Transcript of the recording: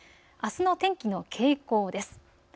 あすの天気の傾向です。